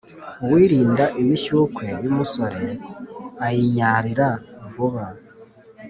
uwirinda imishyukwe y'umusore ayinyarira vuba